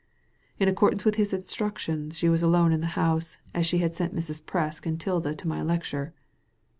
In accordance with his instructions she was alone in the house, as she had sent Mrs. Presk and Tilda to my lecture."